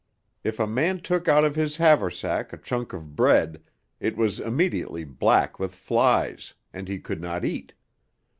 If a man took out of his haversack a chunk of bread, it was immediately black with flies, and he could not eat.